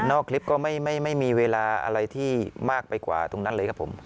คลิปก็ไม่มีเวลาอะไรที่มากไปกว่าตรงนั้นเลยครับผม